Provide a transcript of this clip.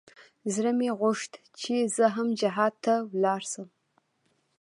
زړه مې غوښت چې زه هم جهاد ته ولاړ سم.